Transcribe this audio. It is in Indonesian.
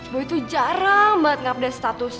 boy itu jarang banget ngeupdate status